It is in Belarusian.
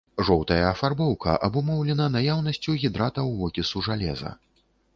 Жоўтая афарбоўка абумоўлена наяўнасцю гідратаў вокісу жалеза.